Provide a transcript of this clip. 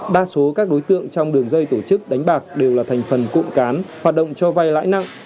ba số các đối tượng trong đường dây tổ chức đánh bạc đều là thành phần cộng cán hoạt động cho vai lãi nặng